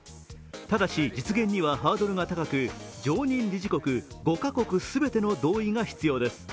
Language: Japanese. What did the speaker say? ただし実現にはハードルが高く常任理事国５カ国全ての同意が必要です。